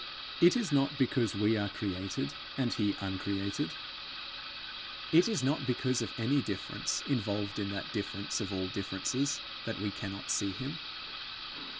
It is not because we are created and he uncreated, it is not because of any difference involved in that difference of all differences, that we cannot see him.